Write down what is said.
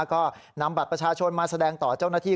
ก็นำบัตรประชาชนมาแสดงต่อเจ้าหน้าที่